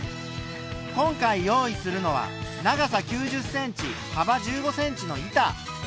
今回用意するのは長さ９０ｃｍ幅１５ｃｍの板。